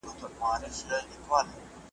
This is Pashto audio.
دا دي کوم جهان لیدلی دی په خوب کي .